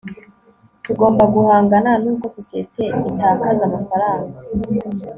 tugomba guhangana n'uko sosiyete itakaza amafaranga